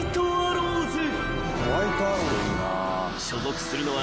［所属するのは］